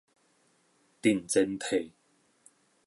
陣前退